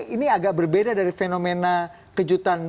ini agak berbeda dari fenomena kejutan